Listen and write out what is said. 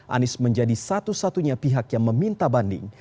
anies menjadi satu satunya pihak yang meminta banding